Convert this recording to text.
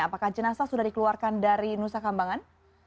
apakah jenazah sudah dikeluarkan dari nusa kambangan